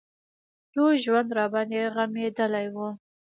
ټول ژوند راباندې غمېدلى و.